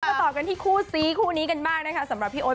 ต่อกันที่คู่ซีคู่นี้กันบ้างนะคะสำหรับพี่โอ๊